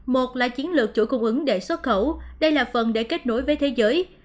một là chiến lược chuỗi cung ứng để xuất khẩu đây là phần để kết nối với thế giới